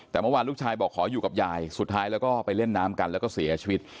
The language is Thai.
แต่เมื่อวานลูกชายบอกขออยู่กับยายสุดท้ายแล้วก็ไปเล่นน้ำกันแล้วก็เสียชีวิต